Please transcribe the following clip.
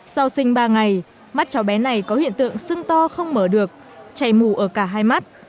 sau sinh ba ngày mắt cháu bé này có hiện tượng sưng to không mở được chảy mù ở cả hai mắt